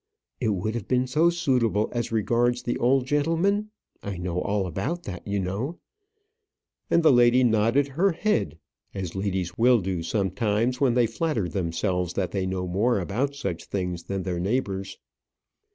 It would have been so suitable as regards the old gentleman I know all about that you know " and the lady nodded her head, as ladies will do sometimes when they flatter themselves that they know more about such things than their neighbours.